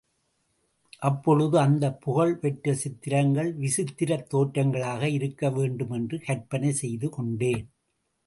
அப்பொழுது அந்தப் புகழ் பெற்ற சித்திரங்கள் விசித்திரத் தோற்றங்களாக இருக்க வேண்டும் என்று கற்பனை செய்து கொண்டேன்.